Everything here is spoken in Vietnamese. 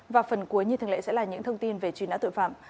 và phần cuối như thường lệ sẽ là những thông tin về truy nã tội phạm